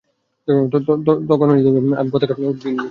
ততক্ষণ আমি পতাকা উড্ডীন রাখছি।